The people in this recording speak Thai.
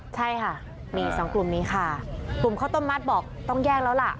ใช่ค่ะนี่สองกลุ่มนี้ค่ะกลุ่มข้าวต้มมัดบอกต้องแยกแล้วล่ะ